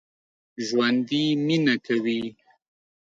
ژوندي مېنه کوي